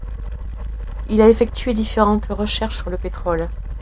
Il a effectué différentes recherches sur le pétrole.